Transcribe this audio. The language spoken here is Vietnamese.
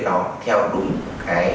nó theo đúng cái